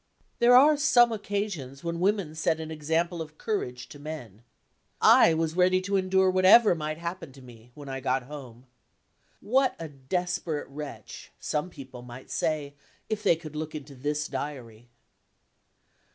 There are some occasions when women set an example of courage to men. I was ready to endure whatever might happen to me, when I got home. What a desperate wretch! some people might say, if they could look into this diary!